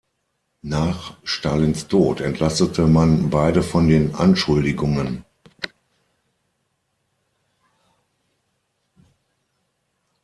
Nach Stalins Tod entlastete man beide von den Anschuldigungen.